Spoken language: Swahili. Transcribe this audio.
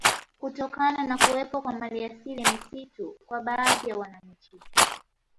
Kutokana na kuwepo kwa maliasili ya misitu kwa baadhi ya wananchi